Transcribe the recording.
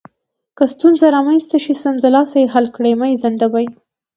که ستونزه رامنځته شي، سمدلاسه یې حل کړئ، مه یې ځنډوئ.